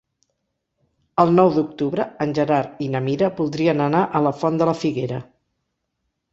El nou d'octubre en Gerard i na Mira voldrien anar a la Font de la Figuera.